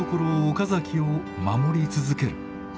岡崎を守り続ける。